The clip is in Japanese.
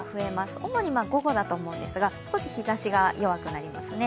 主に午後だと思うんですが少し日ざしが弱くなりますね。